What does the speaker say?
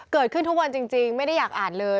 เกิดขึ้นทุกวันจริงไม่ได้อยากอ่านเลย